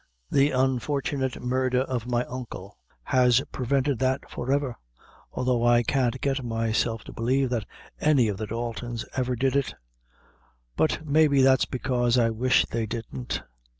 The unfortunate murdher of my uncle has prevented that for ever; although I can't get myself to believe that any of the Daltons ever did it; but maybe that's because I wish they didn't.